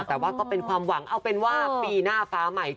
แต่ว่าก็เป็นความหวังเอาเป็นว่าปีหน้าฟ้าใหม่